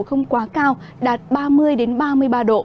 không quá cao đạt ba mươi ba mươi ba độ